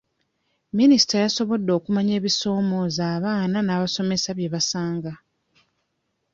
Minisita yasobodde okumanya ebisoomoozo abaana n'abasomesa bye basanga.